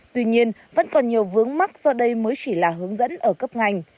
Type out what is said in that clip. tuy nhiên vẫn còn nhiều vướng mắc do đây mới chỉ là hướng dẫn ở cấp ngành